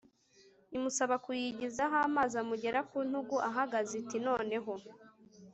imusaba kuyigiza aho amazi amugera ku ntugu Ahageze iti Noneho